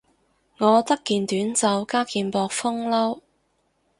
我得件短袖加件薄風褸